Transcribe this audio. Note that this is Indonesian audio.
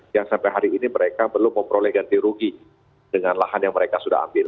yang sampai hari ini mereka belum memperoleh ganti rugi dengan lahan yang mereka sudah ambil